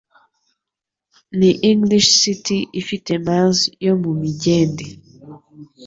Ni English City ifite Miles yo mu migende